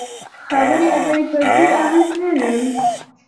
خبرې اترې پر دوی اغېز نلري.